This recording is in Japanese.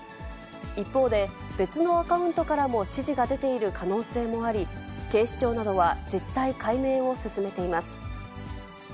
一方で、別のアカウントからも指示が出ている可能性もあり、警視庁などは、実態解明を進めています。